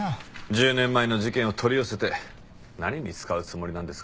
１０年前の事件を取り寄せて何に使うつもりなんですかね？